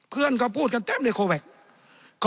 เคลื่อนเขาก็พูดกันเต็มเลยโคแว็ก